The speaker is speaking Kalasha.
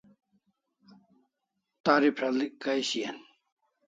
Tari pre'l'ik kai shian